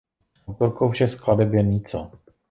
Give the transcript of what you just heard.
Autorkou všech skladeb je Nico.